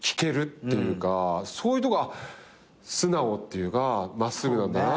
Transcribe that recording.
そういうとこ素直っていうか真っすぐなんだなって。